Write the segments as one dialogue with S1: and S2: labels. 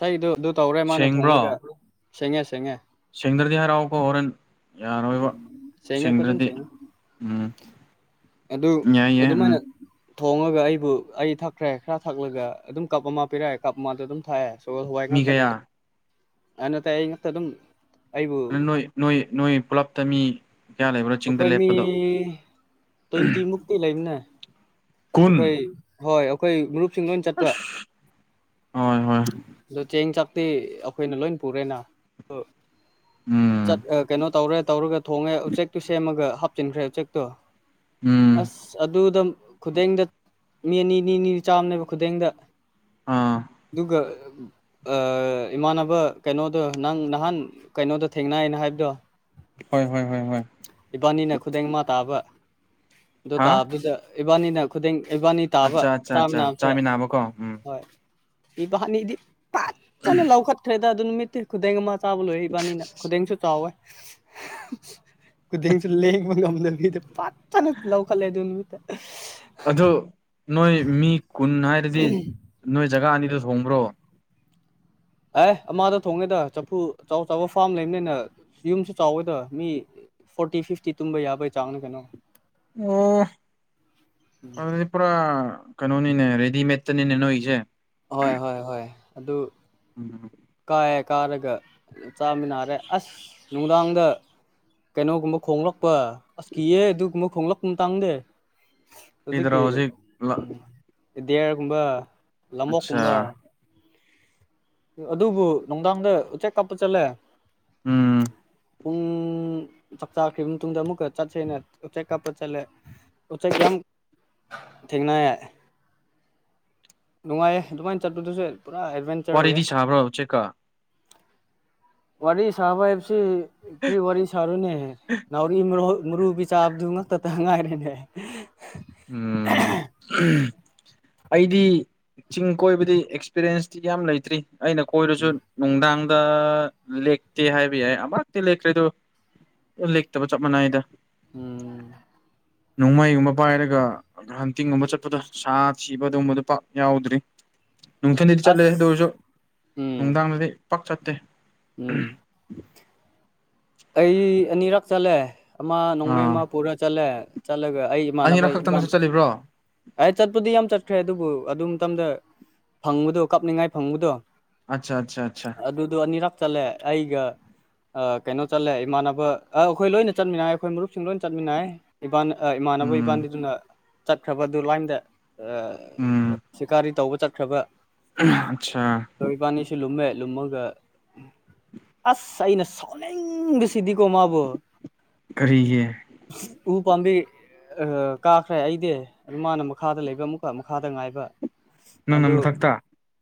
S1: ꯁꯗꯨ ꯑꯗꯨ ꯇꯧꯔꯦ ꯃꯥꯅ ꯊꯣꯡꯂꯒ ꯁꯦꯡꯉꯦ ꯁꯦꯡꯉꯦ
S2: ꯁꯦꯡꯗꯔꯗꯍ ꯔꯥꯎ ꯀ ꯑꯣꯔꯦꯟ
S1: ꯎꯝ ꯁꯉ ꯐꯖꯅ ꯁꯉ
S2: ꯎꯝ
S1: ꯑꯗꯨ
S2: ꯌꯥꯏ ꯌꯥꯏ
S1: ꯑꯗꯨꯃꯥꯏꯅ
S2: ꯎꯝ
S1: ꯊꯣꯡꯉꯒ ꯑꯩꯕꯨ ꯑꯩ ꯊꯛꯈ꯭ꯔꯦ ꯈꯔ ꯊꯛꯂꯒ ꯑꯗꯨꯝ ꯀꯞ ꯑꯃ ꯄꯤꯔꯛꯑꯦ ꯀꯞ ꯑꯃꯗꯣ ꯑꯗꯨꯝ ꯊꯥꯛꯑꯦ ꯍ
S2: ꯃꯤ
S1: ꯉꯥꯛꯇꯅꯦ
S2: ꯀꯌꯥ
S1: ꯑ ꯑꯩ ꯉꯥꯛꯛꯇ ꯑꯗꯨꯝ ꯑꯩꯕꯨ
S2: ꯅꯣꯏ ꯅꯣꯏ ꯄꯨꯂꯞꯇ ꯃꯤ ꯀꯌꯥ ꯂꯩꯕ꯭ꯔꯣ ꯆꯤꯡꯗ
S1: ꯑꯩꯈꯣꯏ ꯃꯤ
S2: ꯂꯦꯞꯄꯗꯣ
S1: ꯇ꯭ꯋꯦꯟꯇꯤ ꯃꯨꯛꯇꯤ ꯂꯩꯕꯅꯦ ꯑꯩꯈꯣꯏ ꯍꯣꯏ ꯑꯩꯈꯣꯏ꯭ꯔꯨꯞ ꯆꯤꯡꯗꯣꯏ ꯆꯠꯄ
S2: ꯍꯣꯏ ꯍꯣꯏ
S1: ꯑꯗꯣ ꯆꯦꯡ ꯆꯄ ꯇꯤ ꯑꯩꯈꯣꯏꯅ ꯂꯣꯏ ꯄꯨꯔꯦꯅ
S2: ꯎꯝ
S1: ꯀꯩꯅꯣ ꯇꯧꯔꯦ ꯇꯧꯔꯒ ꯊꯣꯡꯉꯦ ꯎꯆꯦꯛꯇꯣ ꯁꯦꯝꯃꯒ ꯍꯥꯞꯆꯤꯟꯈ꯭ꯔꯦ ꯎꯆꯦꯛꯇꯣ
S2: ꯎꯝ
S1: ꯑꯁ ꯑꯗꯨꯗ ꯈꯨꯗꯦꯡꯗ ꯃꯤ ꯑꯅꯤ ꯅꯤ ꯅꯤꯅꯤ ꯆꯥꯝꯅꯦꯕ ꯈꯨꯗꯦꯡꯗ
S2: ꯑꯥ
S1: ꯑꯗꯨꯒ ꯏꯃꯥꯟꯅꯕ ꯀꯩꯅꯣꯗꯣ ꯅꯪ ꯅꯍꯥꯟ ꯀꯩꯅꯣꯗ ꯊꯦꯡꯅꯏꯅ ꯍꯥꯏꯕꯗꯣ
S2: ꯍꯣꯏ ꯍꯣꯏ ꯍꯣꯏ ꯍꯣꯏ
S1: ꯏꯕꯥꯅꯤꯅ ꯈꯨꯗꯡ ꯃꯥ ꯇꯥꯕ ꯑꯗꯨꯣ
S2: ꯍꯥ
S1: ꯇꯥꯗ ꯏꯕꯥꯅꯤꯅ ꯈꯨꯗꯤꯡ ꯏꯕꯥꯅꯤ ꯇꯥꯕ
S2: ꯑꯠꯆꯥ ꯑꯠꯆꯥ
S1: ꯆꯥ
S2: ꯑꯠꯆꯥ
S1: ꯃꯌꯥꯝꯁꯦ
S2: ꯆꯥꯃꯤꯟꯅꯕꯀꯣ ꯎꯝ
S1: ꯍꯣꯏ ꯏꯕꯥꯅꯤꯗꯤ ꯐꯖꯅ ꯂꯧꯈꯠꯈ꯭ꯔꯦꯗ ꯑꯗꯨ ꯅꯨꯃꯤꯠꯇꯇꯩ ꯈꯨꯗꯡ ꯑꯃ ꯆꯥꯕ ꯂꯣꯏꯔꯕꯅꯤꯅ ꯈꯨꯗꯡꯁꯨ ꯆꯥꯎꯋꯦ ꯈꯨꯗꯡꯁꯨ ꯂꯦꯡꯕ ꯉꯝꯗ ꯃꯤꯗꯤ ꯐ ꯐꯅ ꯂꯧꯈꯠꯂꯦ ꯑꯗꯨ ꯃꯤ
S2: ꯑꯗꯨꯗꯤ ꯅꯣꯏ ꯖꯒꯥ ꯑꯅꯤꯗꯨ ꯁꯣꯡꯕ꯭ꯔꯣ
S1: ꯑꯦ ꯑꯃꯥꯗ ꯊꯣꯡꯉꯦꯗ ꯆꯐꯨ ꯑꯆ ꯑ ꯆꯥꯎꯕ ꯐꯥꯔꯝ ꯂꯩꯕꯅꯤꯅ ꯌꯨꯝꯁꯨ ꯆꯥꯎꯋꯦꯗ ꯃꯤ ꯐꯣꯔꯇꯤ ꯐꯤꯐꯇꯤ ꯇꯨꯝꯕ ꯌꯥꯕꯩ ꯆꯥꯡꯅ ꯀꯩꯅꯣ
S2: ꯑꯣ ꯑꯗꯨꯗꯤ ꯏ ꯄꯨ꯭ꯔ ꯀꯩꯅꯣꯅꯤꯅꯦ ꯔꯦꯗꯤꯃꯦꯗꯇꯅꯤꯅꯦꯅꯣꯏꯁꯦ
S1: ꯍꯣꯏ ꯍꯣꯏ ꯍꯣꯏ ꯑꯗꯨ
S2: ꯎꯝ
S1: ꯀꯥꯏꯑꯦ ꯀꯥꯔꯒ ꯆꯥꯃꯤꯟꯅꯔꯦ ꯑꯁ ꯅꯨꯡꯗꯥꯡꯗ ꯀꯩꯅꯣꯒꯨꯝꯕ ꯈꯣꯡꯂꯛꯄ ꯑꯁ ꯀꯤꯌꯦ ꯑꯗꯨꯒꯨꯝꯕ ꯈꯣꯡꯂꯛꯄ ꯇꯥꯡꯗꯦ
S2: ꯀꯩꯗꯔꯥ
S1: ꯍꯧꯖꯤꯛꯀꯤ
S2: ꯍꯧꯖꯤꯛ ꯂ
S1: ꯎ ꯗꯌꯥꯔꯒꯨꯝꯕ
S2: ꯑꯠꯆꯥ
S1: ꯂꯕꯣꯛꯀꯨꯝꯕ ꯑꯗꯨꯕꯨ ꯅꯨꯡꯗꯥꯡꯗ ꯎꯆꯦꯛ ꯀꯥꯞꯄ ꯆꯠꯂꯦ
S2: ꯎꯝ
S1: ꯄꯨꯡ ꯆꯥꯛ ꯆꯥꯈ꯭ ꯃꯇꯨꯡꯗ ꯑꯃꯨꯛꯀ ꯆꯠꯁꯦꯅ ꯎꯆꯦꯛ ꯀꯥꯞꯄ ꯆꯠꯂꯦ ꯎꯆꯦꯛ ꯌꯥꯝ ꯊꯦꯡꯅ ꯅꯨꯡꯉꯥꯏꯌꯦ ꯑꯗꯨꯃꯥꯏꯅ ꯆꯠꯄꯗꯨꯁꯨ ꯄꯨꯔꯥ ꯑꯦꯠꯚꯦꯟꯆꯔ ꯑꯣꯏꯌꯦ
S2: ꯋꯥꯔꯤꯗꯤ ꯁꯥꯕ꯭ꯔꯣ ꯎꯆꯦꯛꯀ
S1: ꯋꯥꯔꯤ ꯁꯥꯍꯕ ꯍꯥꯏꯞꯕꯁꯤ ꯔꯤ ꯋꯥꯔꯤ ꯁꯔꯨꯅꯦꯦ ꯅꯥꯎꯔꯤ ꯃꯔ ꯃꯔꯨꯕꯤ ꯆꯥꯕꯗꯨ ꯉꯛꯇꯇ ꯉꯥꯏꯔꯦꯅꯦ [inaudible]
S2: ꯎꯝ ꯑꯩꯗꯤ ꯆꯤꯡ ꯀꯣꯏꯕꯗꯤ ꯑꯦꯛꯁꯄꯤꯔꯦꯟꯁꯇꯤ ꯌꯥꯝ ꯂꯩꯇ꯭ꯔꯤ ꯑꯩꯅ ꯀꯣꯏꯔꯁꯨ ꯅꯨꯡꯗꯥꯡ ꯂꯦꯛꯇꯦ ꯍꯥꯏꯕ ꯌꯥꯏ ꯑꯃꯛꯇꯤ ꯂꯦꯛꯈ꯭ꯔꯦ ꯑꯗꯨ ꯂꯦꯛꯇꯕ ꯆꯞ ꯃꯥꯟꯅꯩꯗ
S1: ꯎꯝ
S2: ꯅꯣꯡꯃꯥꯏꯃ ꯄꯥꯏꯔꯒ ꯍꯟꯇꯤꯡꯒꯨꯝꯕ ꯆꯠꯄꯗ ꯁꯥ ꯊꯤꯕ ꯑꯗꯨꯒꯨꯝꯕꯗꯨ ꯄꯥꯛ ꯌꯥꯎꯗ꯭ꯔꯤ ꯅꯨꯡꯊꯤꯤꯟꯗꯗꯤ ꯆꯠꯂꯦ
S1: ꯑꯁ
S2: ꯑꯗꯨ ꯑꯣꯏꯔꯁꯨ
S1: ꯎꯝ
S2: ꯅꯨꯡꯗꯥꯡꯗꯗꯤ ꯄꯥꯛ ꯆꯠꯇꯦ
S1: ꯎꯝ ꯑꯩ ꯑꯅꯤꯔꯛ ꯆꯠꯂꯦ ꯑꯃ ꯅꯣꯡꯃꯩ
S2: ꯑꯥ
S1: ꯑꯃ ꯄꯨꯔ ꯆꯠꯂꯦ ꯆꯠꯂꯒ ꯑꯩ ꯏꯃꯥꯟꯅꯕ
S2: ꯑꯅꯤꯔꯛ ꯈꯛꯇꯪꯁꯨ ꯆꯠꯂꯤꯕ꯭ꯔꯣ
S1: ꯑꯩ ꯆꯠꯄꯗꯤ ꯌꯥꯝ ꯆꯠꯈ꯭ꯔꯦ ꯑꯗꯨꯕꯨ ꯑꯗꯨ ꯃꯇꯝꯗ ꯐꯪꯕꯗꯣ ꯀꯞꯅꯤꯡꯉꯥꯏ ꯐꯪꯕꯗꯣ
S2: ꯑꯆꯥ ꯑꯠꯆꯥ ꯑꯆꯥ
S1: ꯑꯗꯨꯗꯣ ꯑꯅꯤꯔꯛ ꯆꯠꯂꯦ ꯑꯩꯒ ꯀꯩꯅꯣ ꯆꯠꯂꯦ ꯏꯃꯥꯟꯅꯕ ꯑꯩꯈꯣꯏ ꯂꯣꯏꯅ ꯆꯠꯃꯤꯟꯅꯥꯏ ꯑꯩꯈꯣꯏ ꯃꯔꯨꯞ ꯁꯨꯝ ꯂꯣꯏ ꯆꯠꯃꯤꯟꯅꯩ ꯏꯕꯥ ꯏꯃꯥꯟꯅꯕ
S2: ꯎꯝ
S1: ꯏꯕꯥꯅꯤꯗꯨꯅ ꯆꯠꯈ꯭ꯔꯕ ꯑꯗꯨ ꯂꯥꯏꯟꯗ ꯁꯀꯥꯔꯤ ꯇꯧꯕ ꯆꯠꯈ꯭ꯔꯕ
S2: ꯑꯆꯥ
S1: ꯑꯗꯣ ꯏꯕꯥꯅꯤꯁꯨ ꯂꯨꯝꯃꯦ ꯂꯨꯝꯃꯒ ꯑꯁ ꯑꯩꯅ ꯁꯥꯎꯅꯤꯡ ꯁꯤꯗꯤ ꯀꯃꯕ
S2: ꯀꯔꯤꯒꯤ
S1: ꯎ ꯄꯥꯝꯕꯤ ꯀꯥꯈ꯭ꯔꯦ ꯑꯩꯗꯤ ꯑꯗꯨ ꯃꯥꯅ ꯃꯈꯥꯗ ꯂꯩꯕ ꯑꯃꯨꯛꯀ ꯃꯈꯥꯗ ꯉꯥꯏꯕ
S2: ꯅꯪꯅ
S1: ꯑꯗꯨ
S2: ꯃꯊꯛꯇ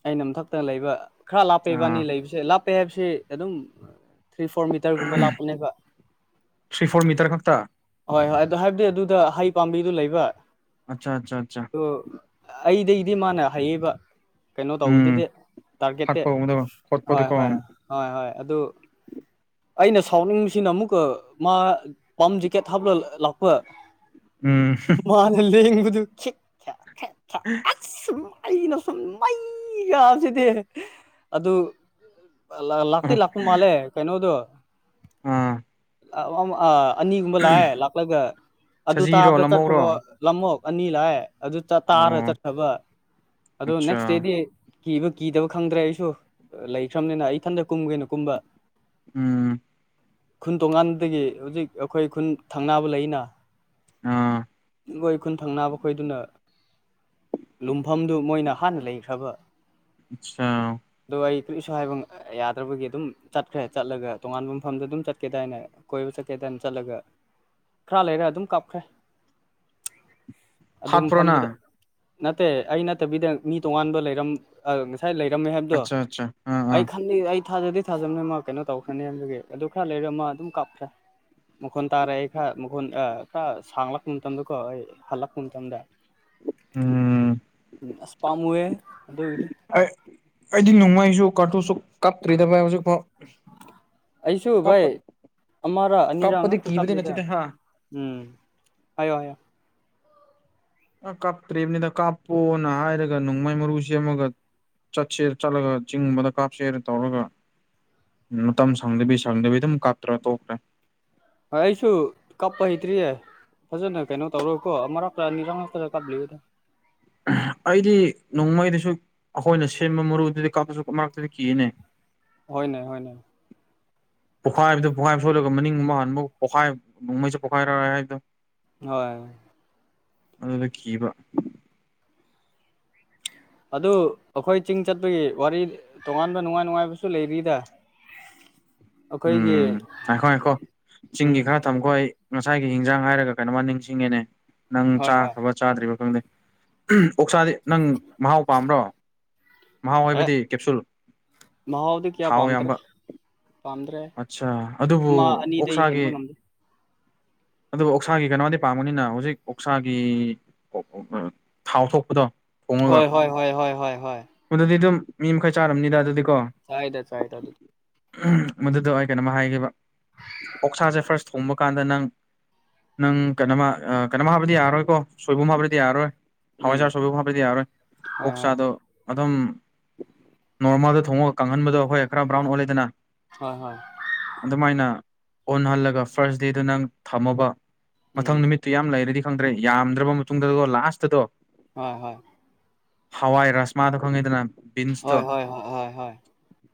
S1: ꯑꯩꯅ ꯃꯊꯛꯇ ꯂꯩꯕ ꯈꯔ ꯂꯥꯞꯄꯩꯕꯥꯅꯤ ꯂꯩꯕꯁꯦ ꯂꯥꯞ ꯄꯦ ꯍꯥꯏꯞꯁꯦ ꯑꯗꯨꯝ ꯊ꯭ꯔꯤ ꯐꯣꯔ ꯃꯤꯇꯔꯒꯨꯝꯕ ꯂꯥꯛꯄꯅꯦꯕ
S2: ꯊ꯭ꯔꯤ ꯐꯣꯔ ꯃꯤꯇꯔ ꯈꯛꯇ
S1: ꯍꯣꯏ ꯍꯣꯏ ꯑꯗꯣ ꯍꯥꯏꯕꯗꯤ ꯑꯗꯨꯗ ꯍꯩ ꯄꯥꯝꯕꯤꯗꯨ ꯂꯩꯕ
S2: ꯑꯆꯥ ꯑꯆꯥ ꯑꯆꯥ
S1: ꯑꯩꯗꯒꯤꯩꯗꯤ ꯃꯥꯅ ꯍꯥꯏꯩꯌꯦꯕ ꯀꯩꯅꯣ
S2: ꯎꯝ
S1: ꯇꯧꯕꯗꯨꯗꯤ ꯇꯥꯔꯒꯦꯠꯇꯤ
S2: ꯍꯥꯠꯄꯒꯨꯝꯕꯗꯣ
S1: ꯍꯣꯏ
S2: ꯈꯣꯠꯄꯗꯣꯀꯣ
S1: ꯍꯣꯏ ꯍꯣꯏ ꯍꯣꯏ ꯑꯗꯨ ꯑꯩꯅ ꯁꯥꯎꯅꯤꯡꯕꯁꯤꯅ ꯑꯃꯨꯛꯀ ꯃꯥ ꯄꯝ ꯖꯦꯀꯦꯠ ꯍꯥꯞꯂ ꯂꯥꯛꯄ
S2: ꯎꯝ
S1: ꯃꯥꯅ ꯂꯩ ꯌꯦꯗꯨ
S2: ꯎ
S1: ꯁꯨꯝ ꯑꯩꯅ ꯁꯨꯝ ꯃꯩꯒꯁꯤꯗ ꯑꯗꯨ ꯂꯥꯛꯇ ꯂꯥꯛꯄ ꯃꯥꯜꯂꯦ ꯀꯩꯅꯣꯗꯣ
S2: ꯑꯥ
S1: ꯑꯅꯤꯒꯨꯝꯕ ꯂꯥꯛꯑꯦ ꯂꯥꯛꯂꯒ ꯑꯗꯨ
S2: ꯁꯖꯤꯔꯣ
S1: ꯇꯥꯕꯗ
S2: ꯂꯝꯍꯧꯔꯣ
S1: ꯆꯠꯈꯕ ꯂꯝꯃꯣꯛ ꯑꯅꯤ ꯂꯥꯛꯑ ꯑꯗꯨ ꯇꯥꯔ
S2: ꯑꯣ
S1: ꯆꯠꯈ꯭ꯔꯕ ꯑꯗ
S2: ꯑꯠꯆꯥ
S1: ꯅꯦꯛꯁ ꯗꯦꯗꯤ ꯀꯤꯕ ꯀꯤꯗꯕ ꯈꯪꯗ꯭ꯔꯦ ꯑꯩꯁꯨ ꯂꯩꯈ꯭ꯔꯕꯅꯤꯅ ꯑꯩ ꯏꯊꯟꯇ ꯀꯨꯝꯒꯦꯅꯣ ꯀꯨꯝꯕ
S2: ꯎꯝ
S1: ꯈꯨꯟ ꯇꯣꯉꯥꯟꯕꯗꯒꯤ ꯍꯧꯖꯤꯛ ꯑꯩꯈꯣꯏ ꯈꯨꯟ ꯊꯪꯅꯕ ꯂꯩꯅ
S2: ꯑꯥ
S1: ꯒꯣꯏ ꯈꯨꯟ ꯊꯪꯅꯕ ꯈꯣꯏꯗꯨꯅ ꯂꯨꯝꯐꯝꯗꯨ ꯃꯣꯏꯅ ꯍꯥꯟꯅ ꯂꯩꯈ꯭ꯔꯕ
S2: ꯑꯆꯥ
S1: ꯀꯁꯨ ꯍꯥꯏꯕ ꯌꯥꯗ꯭ꯔꯕꯒꯤ ꯑꯗꯨꯝ ꯆꯠꯈ꯭ꯔꯦ ꯆꯠꯂꯒ ꯇꯣꯉꯥꯟꯕ ꯃꯐꯝꯗ ꯑꯗꯨꯝ ꯆꯠꯀꯦꯗꯥꯏꯅ ꯀꯣꯏꯕ ꯆꯠꯀꯦꯗꯥꯏꯅ ꯆꯠꯂꯒ ꯈꯔ ꯂꯩꯔꯦ ꯑꯗꯨꯝ ꯀꯥꯞꯈ꯭ꯔꯦ ꯑꯗꯨ
S2: ꯍꯥꯠꯄ꯭ꯔꯣ
S1: ꯃꯐꯝꯗꯨꯗ
S2: ꯅꯪ
S1: ꯅꯠꯇꯦ ꯑꯩ ꯅꯠꯇꯕꯤꯗ ꯃꯤ ꯇꯣꯉꯥꯟꯕ ꯂꯩꯔꯝ ꯉꯁꯥꯏ ꯉꯥꯏ ꯂꯩꯔꯝꯃꯦ ꯍꯥꯏꯕꯗꯣ
S2: ꯑꯠꯆꯥ ꯑꯠꯆꯥ ꯑꯥ
S1: ꯑꯩ
S2: ꯑꯥ
S1: ꯈꯗ ꯑꯩ ꯊꯥꯖꯗꯦ ꯁꯥꯥꯖꯕꯅꯦ ꯃꯥ ꯀꯩꯅꯣ ꯇꯧꯈ꯭ꯔꯅꯤꯒꯤ ꯑꯗꯨ ꯈꯔ ꯂꯩꯔ ꯃꯥ ꯑꯗꯨꯝ ꯀꯥꯞꯈ꯭ꯔꯦ ꯃꯈꯣꯟ ꯇꯥꯔꯛ ꯑꯩ ꯈꯔ ꯃꯈꯣꯟ ꯈꯔ ꯁꯥꯡꯂꯛꯄ ꯃꯇꯝꯗ ꯀꯣ ꯑꯩ ꯍꯜꯂꯛꯄ ꯃꯇꯝꯗ
S2: ꯎꯝ
S1: ꯎ ꯑꯁꯄꯥꯥꯝꯨꯦ ꯑꯗꯨ ꯑꯣꯏꯗꯤ
S2: ꯀꯨꯁꯨ ꯀꯞꯇ꯭ꯔꯤꯗ ꯍꯧꯖꯤꯛ ꯐ
S1: ꯑꯩꯁꯨ ꯚꯥꯏ ꯑꯃꯔꯥ ꯑꯅꯤꯔꯥ
S2: ꯀꯥꯞꯄꯗꯤ
S1: ꯉꯥꯛꯇ
S2: ꯀꯤꯕꯗꯤ
S1: ꯀꯥꯞꯂꯤꯗ
S2: ꯅꯠꯇꯦꯗ ꯍꯥ
S1: ꯎꯝ ꯍꯥꯏꯣ ꯍꯥꯏꯣ
S2: ꯑ ꯀꯥꯞꯇ꯭ꯔꯤꯕꯅꯤꯗ ꯀꯥꯞꯄꯣꯅ ꯍꯥꯏꯔꯒ ꯅꯣꯡꯃꯥꯏ ꯃꯔꯨ ꯁꯦꯝꯃꯒ ꯆꯠꯁꯦꯔ ꯆꯠꯂꯒ ꯆꯤꯡꯒꯨꯝꯕꯗ ꯀꯥꯞꯁꯦꯔ ꯇꯧꯔꯒ ꯃꯇꯝ ꯁꯪꯗꯕꯤ ꯁꯪꯗꯕꯤ ꯑꯗꯨꯝ ꯀꯠꯇ꯭ꯔꯥ ꯇꯣꯛꯈ꯭ꯔꯦ
S1: ꯑꯩꯁꯨ ꯀꯞꯄ ꯍꯇ꯭ꯔꯤꯌꯦ ꯐꯖꯅ ꯀꯩꯅꯣ ꯇꯧꯔꯣꯏꯀꯣ ꯃꯔꯛꯛꯇ ꯑꯅꯤꯔꯛ ꯃꯔꯛꯇꯗ ꯀꯞꯂꯤꯗ
S2: ꯑꯩꯗꯤ ꯅꯣꯡꯃꯩꯗꯁꯨ ꯑꯩꯈꯣꯏꯅ ꯁꯦꯝꯕ ꯃꯔꯨꯗꯨꯗꯤ ꯀꯥꯞꯇꯁꯨ ꯃꯔꯛꯇꯨꯗꯤ ꯀꯤꯅꯦ
S1: ꯍꯣꯏꯅꯦ ꯍꯣꯏꯅꯦ
S2: ꯄꯣꯈꯥꯏꯕꯗꯨꯣ ꯄꯣꯈꯥꯏꯕ ꯁꯣꯠꯂꯒ ꯃꯅꯤꯡ ꯑꯃꯨ ꯍꯥꯟꯕꯕ ꯄꯣꯛꯈꯥꯏ ꯅꯣꯡꯃꯩꯁ ꯄꯣꯈꯥꯏꯔꯛꯦ ꯍꯥꯏꯕꯗꯣ
S1: ꯍꯣꯏ
S2: ꯑꯗꯨꯗ ꯀꯤꯕ
S1: ꯑꯗꯨ ꯑꯩꯈꯣꯏ ꯆꯤꯡ ꯆꯠꯄꯒꯤ ꯋꯥꯔꯤ ꯇꯣꯉꯥꯟꯕ ꯅꯨꯡꯉꯥꯏ ꯅꯨꯡꯉꯥꯏꯕꯁꯨ ꯂꯩꯔꯤꯗ [unintelligible] ꯑꯩꯈꯣꯏꯒꯤ
S2: ꯎꯝ ꯉꯥꯏꯈꯣ ꯉꯥꯏꯈꯣ ꯆꯤꯡꯒꯤ
S1: ꯎꯝ
S2: ꯈꯔ ꯊꯝꯈꯣ ꯑꯩ ꯉꯁꯥꯏꯒꯤ ꯍꯤꯟꯖꯥꯡ ꯍꯥꯏꯔꯒ ꯀꯩꯅꯣꯃ ꯅꯤꯡꯁꯤꯡꯉꯦꯅꯦ ꯅꯪ
S1: ꯍꯣꯏ ꯍꯣꯏ
S2: ꯆꯥꯈ꯭ꯔꯕ ꯆꯥꯗ꯭ꯔꯤꯕ ꯈꯪꯗꯦ ꯑꯣꯛꯁꯥꯗꯤ ꯅꯪ ꯃꯍꯥꯎ ꯄꯥꯝꯕ꯭ꯔꯣ ꯃꯍꯥꯎ
S1: ꯑꯦ
S2: ꯍꯥꯏꯕꯗꯤ ꯀꯦꯞꯁꯨꯜ
S1: ꯃꯍꯥꯎꯗꯤ ꯀꯌꯥ
S2: ꯍꯥꯎ
S1: ꯄꯥꯝꯗ꯭ꯔꯦ
S2: ꯑꯌꯥꯝꯕ
S1: ꯄꯥꯝꯗ꯭ꯔꯦ
S2: ꯑꯠꯆꯥ ꯑꯗꯨꯕꯨ
S1: ꯑꯃ ꯑꯅꯤꯗꯩ
S2: ꯑꯣꯛꯁꯥꯒꯤ
S1: ꯍꯦꯟꯕ ꯉꯝꯗꯦ [inaudible]
S2: ꯑꯗꯨꯕꯨ ꯑꯣꯛꯁꯥꯒꯤ ꯀꯩꯅꯣꯗꯤ ꯄꯥꯝꯝꯕꯅꯤꯅ ꯍꯧꯖꯤꯛ ꯑꯣꯛꯁꯥꯒꯤ ꯊꯥꯎ ꯊꯣꯛꯄꯗꯣ ꯊꯣꯡꯉꯒ
S1: ꯍꯣꯏ ꯍꯣꯏ ꯍꯣꯏ ꯍꯣꯏ ꯍꯣꯏ ꯍꯣꯏ
S2: ꯑꯗꯨꯗꯤ ꯑꯗꯨꯝ ꯃꯤ ꯃꯈꯥꯏ ꯆꯥꯔꯝꯅꯤꯗ ꯑꯗꯨꯗꯤ
S1: ꯆꯥꯏꯗ ꯆꯥꯏ ꯇ ꯑꯗꯨ
S2: ꯃꯗꯨꯗ ꯑꯩ ꯀꯩꯅꯣꯃ ꯍꯥꯏꯈꯤꯕ ꯑꯣꯛꯁꯥꯁꯦ ꯐꯥꯔꯁ ꯊꯣꯡꯕ ꯀꯥꯟꯗ ꯅꯪ ꯅꯪ ꯀꯩꯅꯣꯃ ꯀꯩꯅꯣꯝ ꯍꯥꯞꯕꯗꯤ ꯌꯥꯔꯔꯣꯏꯀꯣ ꯁꯣꯏꯕꯨꯝ ꯍꯥꯞꯕꯗꯤ ꯌꯥꯔꯔꯣꯏ
S1: ꯎꯝ
S2: ꯍꯋꯥꯏꯖꯥꯔ ꯁꯣꯏꯕꯤ ꯍꯥꯏꯕꯗꯤ ꯌꯥꯔꯣꯏ
S1: ꯍꯣꯏ
S2: ꯑꯣꯛ
S1: ꯍꯣꯏ
S2: ꯆꯥꯗꯣ ꯑꯗꯨꯝ ꯅꯣꯔꯃꯜꯗ ꯊꯣꯡꯉꯒ ꯀꯥꯡꯍꯟꯕꯗꯣ ꯍꯣꯏ ꯈꯔ ꯕ꯭ꯔꯥꯎꯟ ꯑꯣꯜꯂꯦꯗꯅ
S1: ꯍꯣꯏ ꯍꯣꯏ
S2: ꯑꯗꯨꯃꯥꯏꯅ ꯑꯣꯟꯍꯜꯂꯒ ꯐꯥꯔꯁ ꯗꯦꯗꯨ ꯅꯪ ꯊꯝꯃꯕ ꯃꯊꯪ
S1: ꯎꯝ
S2: ꯅꯨꯃꯤꯠꯇꯨ ꯌꯥꯝ ꯂꯩꯔꯗꯤ ꯈꯪꯗ꯭ꯔꯦ ꯌꯥꯝꯗ꯭ꯔꯕ ꯃꯇꯨꯡꯗ ꯂꯥꯁꯇꯗꯣ
S1: ꯍꯣꯏ ꯍꯣꯏ
S2: ꯍꯋꯥ ꯔꯁꯃꯥꯗ ꯈꯪꯗꯅ ꯕꯤꯟꯁ ꯇꯣ
S1: ꯍꯣꯏ ꯍꯣꯏ ꯍꯣꯏ ꯍꯣꯏ ꯍꯣꯏ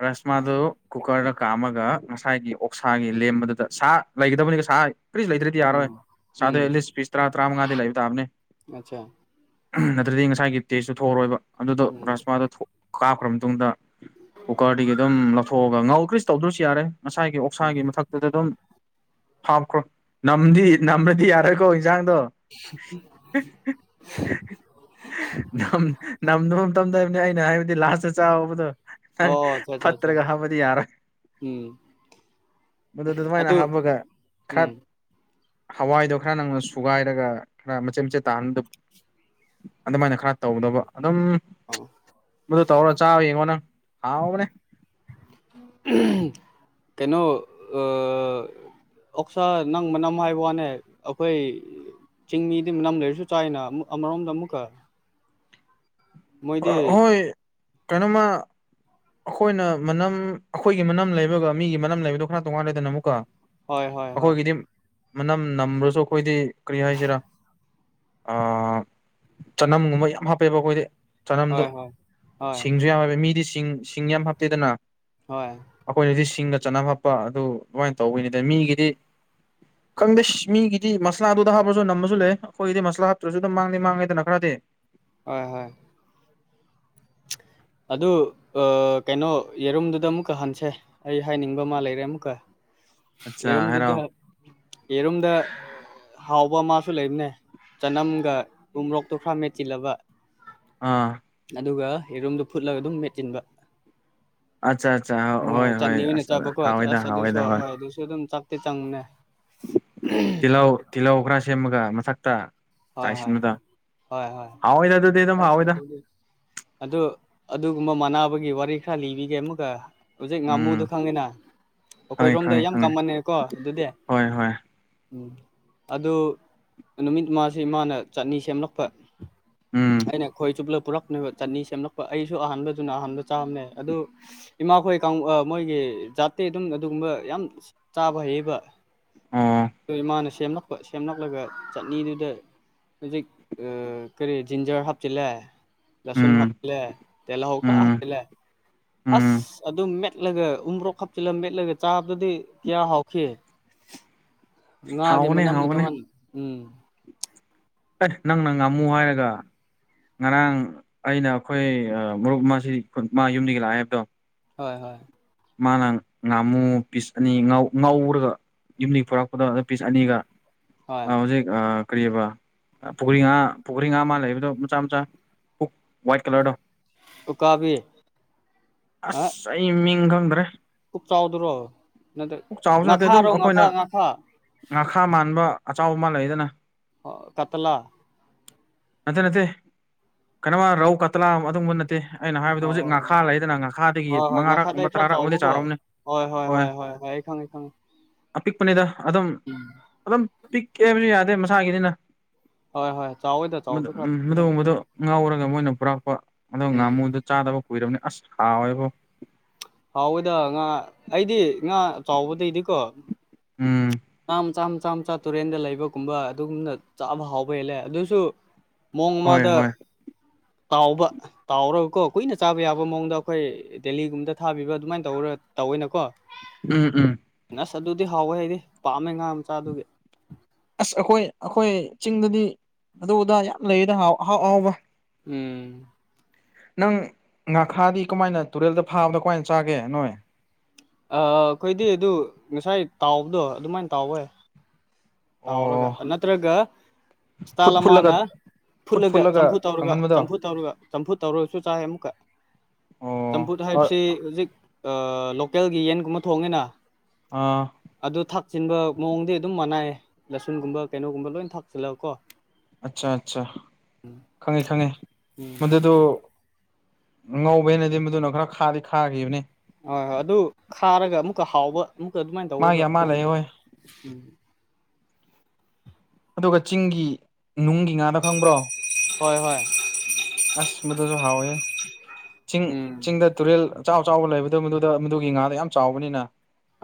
S2: ꯔꯁꯃꯥꯗꯨꯣ ꯀꯨꯀꯔꯗ ꯀ ꯀꯥ ꯑꯃꯒ ꯉꯁꯥꯏꯒꯤ ꯑꯣꯛꯁꯥꯒꯤ ꯂꯦꯝꯕꯗꯨꯗ ꯁꯥ ꯂꯩꯒꯗꯕꯅꯤꯒ ꯁꯥ ꯀꯔꯤꯁꯨ ꯂꯩꯗ꯭ꯔꯗꯤ ꯌꯥꯔꯣꯏ
S1: ꯎꯝ ꯎꯝ
S2: ꯁꯥꯗ ꯂꯤꯁ ꯄꯤꯁ ꯇꯔꯥ ꯇꯔꯥꯃꯉꯥꯗꯤ ꯂꯩꯕ ꯇꯥꯕꯅꯦ
S1: ꯑꯆꯥ
S2: ꯅꯠꯇ꯭ꯔꯗꯤ ꯉꯁꯥꯏꯒꯤ ꯇꯦꯁꯁꯨꯨ ꯊ ꯊꯣꯛꯔꯣꯏꯕ ꯑꯗꯨꯗꯣ
S1: ꯎꯝ
S2: ꯔꯁꯃꯥꯗꯨꯣ ꯀꯥꯞꯈ꯭ꯔ ꯃꯇꯨꯡꯗ ꯀꯨꯀꯔꯗꯒꯤ ꯑꯗꯨꯝ ꯂꯧꯊꯣꯛꯑꯒ ꯉꯥꯎꯗ꯭ꯔꯤꯁ ꯇꯧꯗ꯭ꯔꯁꯨ ꯌꯥꯔꯦ ꯉꯁꯥꯏꯒꯤ ꯑꯣꯛꯁꯥꯒꯤ ꯃꯊꯛꯇꯨꯗ ꯑꯗꯨꯝ ꯍꯥꯞꯈ꯭ꯔꯣ ꯅꯝꯗꯤ ꯅꯝꯃꯗꯤ ꯌꯥꯔꯀ ꯖꯥꯡꯗ ꯅꯝꯗꯨꯐꯝ ꯇꯝꯗꯕꯅꯤ ꯑꯩꯅ ꯍꯥꯏꯕꯗꯤ ꯂꯥꯁꯇ ꯆꯥꯎꯕꯗꯣ
S1: ꯑꯣ ꯑꯆꯥ ꯑꯆꯥ ꯑꯆꯥ
S2: ꯄꯠꯇ꯭ꯔꯒ ꯍꯥꯥꯕꯗꯤ ꯌꯥꯔ
S1: ꯎꯝ
S2: ꯃꯗꯨꯗ ꯑꯗꯨꯃꯥꯏꯅ
S1: ꯑꯗꯨ
S2: ꯍꯥꯞꯄꯒ
S1: ꯎꯝ
S2: ꯈꯠ ꯍꯋꯥꯏꯗꯣ ꯈꯔ ꯅꯪꯅ ꯁꯨꯒꯥꯏꯔꯒ ꯈꯔ ꯃꯆꯦꯠ ꯃꯆꯦꯠ ꯇꯥꯍꯟꯗꯕ ꯑꯗꯨꯃꯥꯏꯅ ꯈꯔ ꯇꯧꯗꯕ ꯑꯗꯨꯝ
S1: ꯑꯣ
S2: ꯃꯗꯨ ꯇꯧꯔ ꯆꯥꯕ ꯌꯦꯡꯉꯣ ꯅꯪ ꯍꯥꯎꯕꯅꯦ
S1: ꯀꯩꯅꯣ ꯑ ꯑꯣꯛꯁꯥ ꯅꯪ ꯃꯅꯝ ꯍꯥꯏꯕ ꯋꯥꯅꯦ ꯑꯩꯈꯣꯏ ꯆꯤꯡꯃꯤꯗꯤ ꯃꯅꯝ ꯂꯩꯔꯁꯨ ꯆꯥꯏꯅ ꯑꯃꯨꯛ ꯑꯃꯔꯣꯝꯗ ꯑꯃꯨꯛꯀ ꯃꯣꯏꯗꯤ
S2: ꯍꯣꯏ ꯀꯩꯅꯣꯃ ꯑꯩꯈꯣꯏꯅ ꯃꯅꯝ ꯑꯩꯈꯣꯏꯒꯤ ꯃꯅꯝ ꯂꯩꯕꯒ ꯃꯤꯒꯤ ꯃꯅꯝ ꯂꯩꯕꯗꯣ ꯈꯅꯥ ꯇꯣꯡꯉꯥꯟꯅ ꯂꯩꯗꯅ ꯑꯃꯨꯛꯀ
S1: ꯍꯣꯏ ꯍꯣꯏ ꯍꯣꯏ
S2: ꯑꯩꯈꯣꯏꯒꯤꯗꯤ ꯃꯅꯝ ꯅꯝꯕ꯭ꯔꯁꯨ ꯑꯩꯈꯣꯏꯗꯤ ꯀꯔꯤ ꯍꯥꯏꯁꯤꯔꯥ ꯆꯅꯝꯒꯨꯝꯕ ꯌꯥꯝ ꯍꯥꯞꯄꯦꯕ ꯑꯩꯈꯣꯏꯗꯤ ꯆꯅꯝꯗꯣ
S1: ꯍꯣꯏ ꯍꯣꯏ ꯍꯣꯏ
S2: ꯁꯤꯡꯁꯨ ꯌꯥꯝ ꯍꯥꯏꯕꯦ ꯃꯤꯗꯤ ꯁꯤꯡ ꯁꯤꯡ ꯌꯥꯝ ꯍꯥꯞꯇꯦꯗꯅ
S1: ꯍꯣꯏ
S2: ꯑꯩꯈꯣꯏꯅꯗꯤ ꯁꯤꯡꯒ ꯆꯠꯅ ꯐꯠꯄ ꯑꯗꯨ ꯑꯗꯨꯃꯥꯏꯅ ꯇꯧꯕꯅꯤꯗ ꯃꯤꯒꯤꯗꯤ ꯈꯪꯗꯦ ꯃꯤꯒꯤꯗꯤ ꯃꯁꯂꯥꯗꯨꯗ ꯍꯥꯞꯄꯁꯨ ꯅꯝꯃꯁꯨ ꯂꯩ ꯑꯩꯈꯣꯏꯒꯤꯗꯤ ꯃꯁꯂꯥ ꯍꯥꯞꯇ꯭ꯔꯁꯨ ꯑꯗꯨꯝ ꯃꯥꯡꯗꯦ ꯃꯥꯡꯉꯦꯗꯅ ꯈꯔꯗꯤ
S1: ꯍꯣꯏ ꯍꯣꯏ ꯑꯗꯨ ꯀꯩꯅꯣ ꯌꯦꯔꯨꯝꯗꯨꯗ ꯑꯃꯨꯛꯀ ꯍꯟꯁꯦ ꯑꯩ ꯍꯥꯏꯅꯤꯡꯕ ꯑꯃ ꯂꯩꯔꯦ ꯑꯃꯨꯛꯀ
S2: ꯑꯠꯆꯥ
S1: ꯌꯦꯔꯣꯝꯗꯨꯗ
S2: ꯍꯥꯏꯔꯛꯑꯣ
S1: ꯌꯦꯔꯣꯝꯗ ꯍꯥꯎꯕ ꯑꯃꯁꯨ ꯂꯩꯕꯅꯦ ꯆꯅꯝꯒ ꯎꯨꯝꯔꯣꯛꯇꯨ ꯈꯔ ꯃꯦꯠꯆꯤꯜꯂꯕ
S2: ꯑꯥ
S1: ꯑꯗꯨꯒ ꯌꯦꯔꯨꯝꯗꯣ ꯐꯨꯠꯂꯒ ꯑꯗꯨꯝ ꯃꯦꯠꯆꯤꯟꯕ
S2: ꯑꯠꯆꯥ ꯑꯠꯆꯥ
S1: ꯍꯣꯏ ꯍꯣꯏ ꯆꯠꯅꯤ ꯑꯣꯏꯅ
S2: ꯑꯁ
S1: ꯆꯥꯕꯀꯣ
S2: ꯍꯥꯎꯋꯦꯗ
S1: ꯑꯁ ꯑꯗꯨꯁꯨ
S2: ꯍꯥꯎꯋꯦꯗ
S1: ꯍꯣꯏ ꯑꯗꯨꯁꯨ ꯑꯗꯨꯝ ꯆꯥꯛꯠꯇꯦ ꯆꯪꯅꯦ
S2: ꯇꯤꯜꯍꯧ ꯇꯤꯜꯍꯧ ꯈꯔ ꯁꯦꯝꯃꯒ ꯃꯊꯛꯇ
S1: ꯍꯣꯏ ꯍꯣꯏ
S2: ꯇꯥꯏꯁꯤꯗ
S1: ꯍꯣꯏ ꯍꯣꯏ
S2: ꯍꯥꯎꯋꯥ
S1: ꯑꯁ ꯑꯗꯨꯗꯤ ꯑꯗꯨ ꯑꯗꯨꯒꯨꯝꯕ ꯃꯅꯕꯒꯤ ꯋꯥꯔꯤ ꯈꯔ ꯂꯤꯕꯤ ꯌꯦꯃꯒ ꯍꯧꯖꯤꯛ
S2: ꯎꯝ
S1: ꯉꯥꯃꯨꯗꯨꯣ ꯈꯪꯉꯤꯅ
S2: ꯈꯪꯉꯦ
S1: ꯑꯩꯈꯣꯏꯔꯣꯝꯗ
S2: ꯈꯪꯉꯦ
S1: ꯌꯥꯝ
S2: ꯈꯪꯉꯦ
S1: ꯀꯃꯟꯅꯦꯀꯣ ꯑꯗꯨꯗꯤ
S2: ꯍꯣꯏ ꯍꯣꯏ
S1: ꯎꯝ ꯑꯗꯨ ꯅꯨꯃꯤꯠ ꯃꯥꯁꯤꯦ ꯏꯃꯥꯅ ꯆꯠꯅꯤ ꯁꯦꯝꯂꯛꯄ
S2: ꯎꯝ
S1: ꯑꯩꯅꯦ ꯈꯣꯏ ꯆꯨꯞꯂ ꯄꯨꯔꯛꯅꯦꯕ ꯆꯅꯤ ꯁꯦꯝꯂꯛꯄ ꯑꯩꯁꯨ ꯑꯍꯥꯟꯕꯗꯨꯅ ꯑꯍꯥꯟꯕ ꯆꯥꯝꯃꯦ ꯑꯗꯨ ꯏꯃꯥꯈꯣꯏ ꯃꯣꯏꯒꯤ ꯖꯥꯠꯇꯤ ꯑꯗꯨꯝ ꯑꯗꯨꯒꯨꯝꯕ ꯌꯥꯝ ꯆꯥꯕ ꯍꯩꯕ
S2: ꯑꯣ
S1: ꯑꯗꯨ ꯏꯃꯥꯅ ꯁꯦꯝꯂꯛꯄ ꯁꯦꯝꯂꯛꯂꯒ ꯆꯠꯅꯤꯗꯨꯗ ꯍꯧꯖꯤꯛ ꯀꯔꯤ ꯖꯤꯟꯖꯔ ꯍꯥꯞꯆꯤꯜꯂꯦ ꯔꯁꯨꯟ
S2: ꯎꯝ
S1: ꯍꯥꯞꯄꯤꯦ ꯇꯂ ꯍꯧ ꯈꯔ
S2: ꯎꯝ
S1: ꯍꯥꯞꯄꯤꯦ
S2: ꯎꯝ
S1: ꯑꯁ ꯑꯗꯨꯝ ꯃꯦꯠꯂꯒ ꯎꯕ꯭ꯔꯣꯛ ꯍꯥꯞꯆꯤꯜꯂꯒ ꯃꯦꯠꯂꯒ ꯆꯥꯕꯗꯗꯤ ꯀꯌꯥ ꯍꯥꯎꯈꯤ ꯉꯥꯒꯤ
S2: ꯍꯥꯎꯕꯅꯦ
S1: ꯃꯅꯝꯅ
S2: ꯍꯥꯎꯕꯅꯦ
S1: ꯇꯣꯉꯥꯟꯅ ꯎꯝ
S2: ꯑꯦ ꯅꯪ ꯅꯪ ꯉꯃꯨ ꯍꯥꯏꯔꯒ ꯉꯔꯥꯡ ꯑꯩꯅ ꯑꯩꯈꯣꯏ ꯃꯔꯨꯞꯁꯤ ꯃꯥ ꯌꯨꯝꯗꯒꯤ ꯂꯥꯛꯑꯦ ꯍꯥꯏꯕꯗꯣ
S1: ꯍꯣꯏ ꯍꯣꯏ
S2: ꯃꯥꯅ ꯉꯥꯝꯃꯨ ꯄꯤꯁ ꯑꯅꯤ ꯉ ꯉꯧꯔꯒ ꯌꯨꯝꯗꯒꯤ ꯄꯨꯣꯔꯛꯄꯗ ꯄꯤꯁ ꯑꯅꯤꯒ
S1: ꯍꯣꯏ
S2: ꯍꯧꯖꯤꯛ ꯀꯔꯤꯕ ꯄꯨꯈ꯭ꯔꯤ ꯉꯥ ꯄꯨꯈ꯭ꯔꯤ ꯉꯥ ꯃ ꯂꯩꯕꯗꯣ ꯃꯆꯥ ꯃꯆꯥ ꯄꯨꯛ ꯋꯥꯏꯠ ꯀꯂꯔꯗꯣ
S1: ꯎꯀꯥꯕꯤꯦ
S2: ꯑꯁ ꯑꯩ ꯃꯤꯡꯪꯗ꯭ꯔꯦ
S1: ꯀꯨꯞ ꯆꯥꯎꯗ꯭ꯔꯣ ꯅꯠꯇ꯭ꯔ
S2: ꯆꯥꯎꯕꯁꯨ ꯅꯠꯇꯦ
S1: ꯉꯥꯈꯥꯔꯣ
S2: ꯑꯗꯨꯝ
S1: ꯉꯥꯈꯥ
S2: ꯑꯩꯈꯣꯏꯅ
S1: ꯉꯥꯈꯥ
S2: ꯉꯥꯈꯥ ꯃꯥꯟꯕ ꯑꯆꯥꯎꯕ ꯃꯥꯜꯂꯗꯅ
S1: ꯀꯇꯂꯥ
S2: ꯅꯠꯇꯦ ꯅꯠꯇꯦ ꯀꯩꯅꯃ ꯔꯧ ꯀꯠꯇꯂꯥ ꯑꯗꯨꯒꯨꯝꯕ ꯅꯠꯇꯦ ꯑꯩꯅ ꯍꯥꯏꯕꯗ ꯍꯧꯖꯤꯛ
S1: ꯑꯣ
S2: ꯉꯥꯈꯥ ꯂꯩꯗꯅ ꯉ ꯊꯥꯗꯒꯤ
S1: ꯍꯣꯏ ꯍꯣꯏ
S2: ꯃꯉꯥꯔꯛꯕ
S1: ꯉꯥꯈꯥꯗꯩ ꯈꯔ
S2: ꯇꯔꯥꯔꯛ ꯑꯃꯗꯤ
S1: ꯆꯥꯎꯕꯀꯣ
S2: ꯆꯥꯔꯣꯝꯅꯤ
S1: ꯍꯣꯏ ꯍꯣꯏ ꯍꯣꯏ
S2: ꯍ
S1: ꯍꯣꯏ ꯍꯣꯏ ꯑꯩ ꯈꯪꯉꯦ ꯈꯪꯉꯦ
S2: ꯑꯄꯤꯛꯄꯅꯤꯗ ꯑꯗꯨꯝ
S1: ꯎꯝ
S2: ꯑꯗꯨꯝ ꯄꯤꯛꯀꯦ ꯍꯥꯏꯕꯁꯨ ꯌꯥꯗꯦ ꯃꯁꯥꯒꯤꯅꯤꯅ
S1: ꯍꯣꯏ ꯍꯣꯏ ꯆꯥꯎꯋꯦꯗ ꯆꯥꯎꯕꯗꯤ
S2: ꯎꯝ
S1: ꯈꯔ
S2: ꯃꯗꯨꯒꯨꯝꯕꯗꯣ ꯉꯥꯎꯔ ꯑꯗꯨꯒ ꯃꯣꯏꯅ ꯄꯨꯔꯛꯄ ꯑꯗꯨꯒ
S1: ꯎꯝ
S2: ꯉꯥꯃꯨꯗꯨꯣ ꯆꯥꯗꯕ ꯀꯨꯏꯔꯕꯅꯤ ꯑꯁ ꯍꯥꯎꯋꯦꯕꯣ
S1: ꯍꯥꯎꯋꯦꯗ ꯉꯥ ꯑꯩꯗꯤ ꯉꯥ ꯆꯥꯎꯕꯗꯩꯗꯤꯀꯣ
S2: ꯎꯝ
S1: ꯆꯥꯝ ꯆꯥꯝ ꯆꯥ ꯇꯨꯔꯦꯟꯗ ꯂꯩꯕꯒꯨꯝꯕ ꯑꯗꯨꯒꯨꯝꯅ ꯆꯥꯕ ꯍꯥꯎꯕ ꯍꯦꯜꯂꯦ ꯑꯗꯨꯁꯨ
S2: ꯍꯣꯏ
S1: ꯃꯣꯡꯃꯗ
S2: ꯍꯣꯏ
S1: ꯇꯥꯎꯕ ꯇꯥꯎꯔꯕꯀꯣ ꯀꯨꯏꯅ ꯆꯥꯕ ꯌꯥꯕ ꯃꯑꯣꯡꯗ ꯑꯩꯈꯣꯏ ꯗꯦꯜꯂꯤꯒꯨꯝꯕꯗ ꯊꯥꯕꯤꯕ ꯑꯗꯨꯃꯥꯏꯅ ꯇꯧꯔ ꯇꯧꯋꯏꯅꯀꯣ
S2: ꯎꯝ ꯎꯝ
S1: ꯑꯁ ꯑꯗꯨꯗꯤ ꯍꯥꯎꯋꯦ ꯑꯩꯗꯤ ꯄꯥꯝꯃꯦ ꯉꯥ ꯃꯆꯥꯗꯨꯒꯤ
S2: ꯑꯁ ꯑꯩꯈꯣꯏ ꯑꯩꯈꯣꯏ ꯆꯤꯡꯗꯗꯤ ꯑꯗꯨꯗꯥ ꯌꯥꯝ ꯂꯩꯌꯦꯗꯍꯥꯎ ꯑꯍꯥꯎ ꯑꯍꯥꯎꯕ
S1: ꯎꯝ
S2: ꯅꯪ ꯉꯥꯈꯥꯗꯤ ꯀꯃꯥꯏꯅ ꯇꯨꯔꯦꯜꯗ ꯐꯥꯕꯗ ꯀꯃꯥꯏꯅ ꯆꯥꯒꯦ ꯅꯣꯏ
S1: ꯑꯩꯈꯣꯏꯗꯤ ꯑꯗꯨ ꯉꯁꯥꯏ ꯇꯥꯎꯕꯗꯣ ꯑꯗꯨꯃꯥꯏꯅ ꯇꯥꯎꯋꯦ ꯇꯥꯎꯔꯒ
S2: ꯑꯣ
S1: ꯅꯠꯇ꯭ꯔꯒ
S2: ꯐꯨꯠ ꯐꯨꯠꯂꯒ
S1: ꯁꯊꯂꯃꯅ
S2: ꯐꯨꯠ
S1: ꯐꯨꯠꯂꯒ ꯆꯝꯐꯨ ꯇꯧꯔꯒ
S2: ꯀꯪꯍꯟꯕꯗꯣ
S1: ꯆꯝꯐꯨ ꯇꯧꯔꯒ ꯆꯝꯐꯨ ꯇꯧꯔꯒꯁꯨ ꯆꯥꯏ ꯑꯃꯨꯛꯀꯛ
S2: ꯑꯣ
S1: ꯆꯝꯐꯨꯠ
S2: ꯍꯣꯏ
S1: ꯍꯥꯏꯕꯁꯤ ꯍꯧꯖꯤꯛ ꯂꯣꯀꯦꯜꯒꯤ ꯌꯦꯟꯒꯨꯝꯕ ꯊꯣꯡꯅꯤꯅ
S2: ꯑꯥ
S1: ꯆꯤꯟꯕ ꯃꯑꯣꯡꯗꯤ ꯑꯗꯨꯝ ꯃꯅꯥꯏꯌꯦ ꯂꯁꯨꯟꯒꯨꯝꯕ ꯀꯩꯅꯣꯒꯨꯝꯕ ꯂꯣꯏꯅ ꯊꯥꯛꯆꯤꯜꯂꯒ ꯀꯣ
S2: ꯑꯠꯆꯥ ꯑꯠꯆꯥ ꯈꯪꯉꯤ ꯈꯪꯉꯤ
S1: ꯎꯝ
S2: ꯃꯗꯨꯗ ꯉꯧꯕꯩꯅꯗꯤ ꯃꯗꯨꯅ ꯈꯔ ꯈꯥꯗꯤ ꯈꯥꯈꯤꯕꯅꯤ
S1: ꯍꯣꯏ ꯍꯣꯏ ꯑꯗꯨ ꯈꯥꯔꯒ ꯑꯃꯨꯛꯀ ꯍꯥꯎꯕ ꯑꯃꯨꯛꯀ ꯑꯗꯨꯃꯥꯏꯅ
S2: ꯃꯥꯒꯤ
S1: ꯇꯧꯕꯋꯕ
S2: ꯑꯃ ꯂꯩ ꯍꯣꯏ
S1: ꯎꯝ
S2: ꯑꯗꯨꯒ ꯆꯤꯡꯒꯤ ꯅꯨꯡꯒꯤ ꯉꯥꯗꯣ ꯈꯪꯕ꯭ꯔꯣ
S1: ꯍꯣꯏ ꯍꯣꯏ
S2: ꯑꯁ ꯃꯗꯨꯁꯨ ꯍꯥꯎꯋꯦ ꯆꯤꯡ
S1: ꯎꯝ
S2: ꯆꯤꯡꯗ ꯇꯨꯔꯦꯜ ꯑꯆ ꯆꯥꯎ ꯑ ꯆꯥꯎꯕ ꯂꯩꯕꯗꯣ ꯃꯗꯨꯗ ꯃꯗꯨꯒꯤ ꯉꯥꯗ ꯌꯥꯝ ꯆꯥꯎꯕꯅꯤꯅ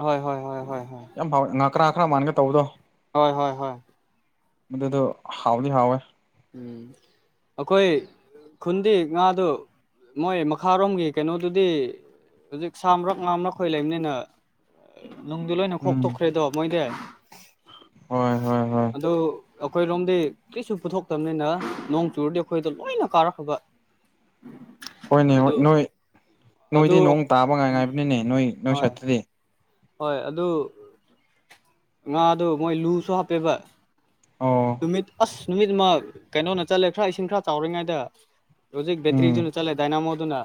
S1: ꯍꯣꯏ ꯍꯣꯏ ꯍꯣꯏ ꯍꯣꯏ ꯍ
S2: ꯀꯔ ꯈꯔ ꯃꯥꯟꯒꯦ ꯇꯧꯕꯗꯣ
S1: ꯍꯣꯏ ꯍꯣꯏ ꯍꯣꯏ
S2: ꯃꯗꯤꯗꯣ ꯍꯥꯎꯗꯤ ꯍꯥꯎꯦ
S1: ꯎꯝ ꯑꯩꯈꯣꯏ ꯈꯨꯟꯗꯤ ꯉꯥꯗꯨ ꯃꯣꯏ ꯃꯈꯥꯔꯣꯝꯒꯤ ꯀꯩꯅꯣꯗꯨꯗꯤ ꯍꯧꯖꯤꯛ ꯁꯥꯕ꯭ꯔꯛ ꯉꯥꯝꯔꯈꯣꯏ ꯂꯩꯕꯅꯤꯅ ꯅꯨꯡꯗꯤ ꯂꯣꯏꯅ
S2: ꯎꯝ
S1: ꯈꯣꯛꯇꯣꯛꯈ꯭ꯔꯦꯗꯣ ꯃꯣꯏꯗꯤ
S2: ꯍꯣꯏ ꯍꯣꯏ ꯍ
S1: ꯑꯗꯨ ꯑꯩꯈꯣꯏꯔꯣꯝꯗꯤ ꯀꯔꯤꯁꯨ ꯄꯨꯊꯣꯛꯇꯕꯅꯤꯅ ꯅꯣꯡ ꯆꯨꯔꯗꯤ ꯑꯩꯈꯣꯏꯗ ꯂꯣꯏꯅ ꯀꯥꯔꯛꯈ꯭ꯔꯕ
S2: ꯍꯣꯏꯅꯦ
S1: ꯑꯗꯨ
S2: ꯍꯣꯏ ꯅꯣꯏ
S1: ꯑꯗꯨ
S2: ꯅꯣꯏꯗꯤ ꯅꯣꯡ ꯇꯥꯕ ꯉꯥꯏ ꯉꯥꯏꯕꯅꯤꯅꯦ ꯅꯣꯏ ꯅꯣꯏ
S1: ꯍꯣꯏ
S2: ꯁꯠꯇꯗꯤ
S1: ꯍꯣꯏ ꯑꯗꯨ ꯉꯥꯗꯨ ꯃꯣꯏ ꯂꯨꯁꯨ ꯍꯥꯞꯄꯦꯕ
S2: ꯑꯣ
S1: ꯅꯨꯃꯤꯠ ꯑꯁ ꯅꯨꯃꯤꯠ ꯑꯃ ꯀꯩꯅꯣꯅ ꯆꯠꯂꯦ ꯈꯔ ꯏꯁꯤꯡ ꯈꯔ ꯆꯥꯎꯔꯤꯉꯩꯗ ꯔꯣꯖꯤꯛ
S2: ꯎꯝ
S1: ꯕꯦꯇꯔꯤꯗꯨꯅ ꯆꯂꯦ ꯗꯗꯥꯏꯅꯥꯃꯣꯗꯨꯅ